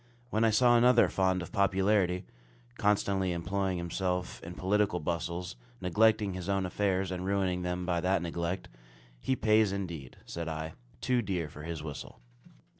When I saw another fond of popularity, constantly employing himself in political bustles, neglecting his own affairs, and ruining them by that neglect, "He pays, indeed," said I, "too dear for his whistle."